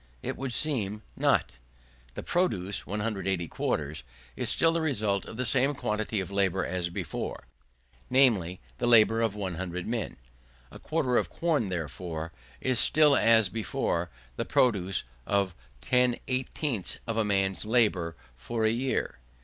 It would seem not. The produce (180 quarters) is still the result of the same quantity of labour as before, namely, the labour of 100 men. A quarter of corn, therefore, is still, as before, the produce of 10/18 of a man's labour for a year.